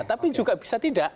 tapi juga bisa tidak